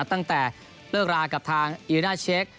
ตั้งแต่เลิกลากับทางอิรินาเชค